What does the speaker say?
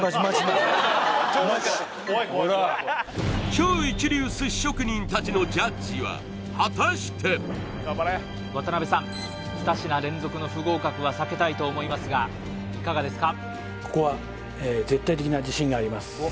超一流寿司職人たちのジャッジは果たして渡部さん２品連続の不合格は避けたいと思いますがいかがですか？